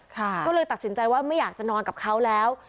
ก็เลยตัดสินใจว่าไม่อยากจะนอนกับเขาแล้ว